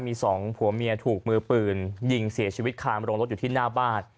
มีสองผัวเมียถูกมือปืนยิงเสียชีวิตคามโรงรถอยู่ที่หน้าบ้าน